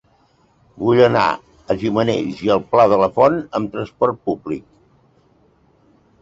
Vull anar a Gimenells i el Pla de la Font amb trasport públic.